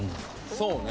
そうね。